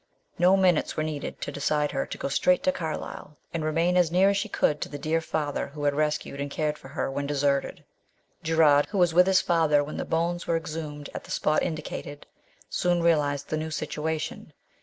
No minutes were needed to decide her to ^o straight to Carlisle, and remain as near as she could to the dear father who had rescued and cared for her when deserted. Gerard, who was with his father when the bones were exhumed at the spot indicated, soon realised the new situation.